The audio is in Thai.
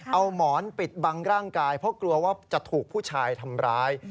เอาหมอนปิดบังร่างกายเพราะกลัวว่าจะถูกผู้ชายทำร้าย